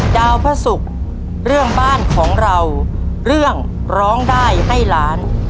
ดาวพระศุกร์เรื่องบ้านของเราเรื่องร้องได้ให้ล้าน